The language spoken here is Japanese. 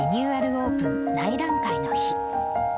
オープン内覧会の日。